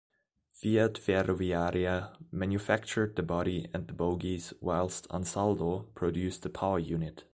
Fiat Ferroviaria manufactured the body and bogies, whilst "Ansaldo" produced the power unit.